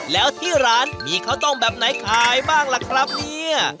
แล้วที่ร้านมีข้าวต้มแบบไหนขายบ้างล่ะครับเนี่ย